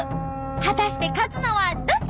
果たして勝つのはどっち！？